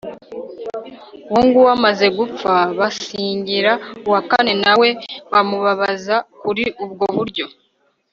uwo nguwo amaze gupfa, basingira uwa kane, na we bamubabaza kuri ubwo buryo